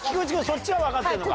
そっちは分かってるのか。